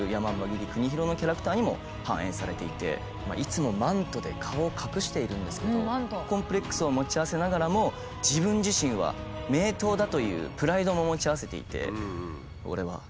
切国広のキャラクターにも反映されていていつもマントで顔を隠しているんですけどコンプレックスを持ち合わせながらも自分自身は名刀だというプライドも持ち合わせていて。